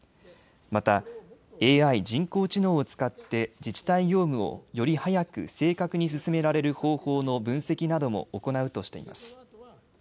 またＡＩ・人工知能を使って自治体業務をより速く正確に進められる方法の分析なども行うとしています。